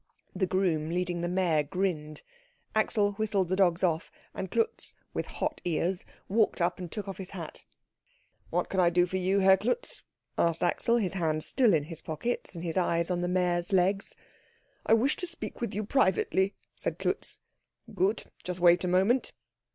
The groom leading the mare grinned; Axel whistled the dogs off; and Klutz, with hot ears, walked up and took off his hat. "What can I do for you, Herr Klutz?" asked Axel, his hands still in his pockets and his eyes on the mare's legs. "I wish to speak with you privately," said Klutz. "Gut. Just wait a moment."